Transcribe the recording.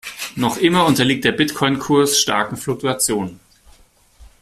Noch immer unterliegt der Bitcoin-Kurs starken Fluktuationen.